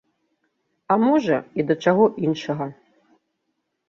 А можа, і да чаго іншага.